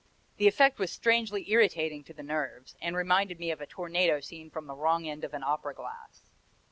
The effect was strangely irritating to the nerves, and reminded me of a tornado seen from the wrong end of an opera glass.